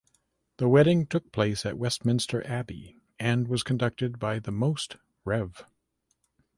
The wedding took place at Westminster Abbey and was conducted by The Most Rev.